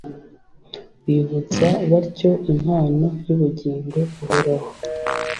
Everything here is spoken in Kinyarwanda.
bivutsa batyo impano y'ubugingo buhoraho.